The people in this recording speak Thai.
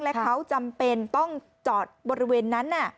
และเขาจำเป็นต้องจอดบริเวณนั้น